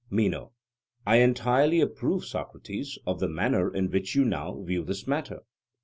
MENO: I entirely approve, Socrates, of the manner in which you now view this matter.